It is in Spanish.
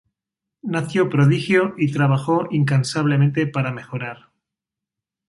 Nació prodigio y trabajó incansablemente para mejorar.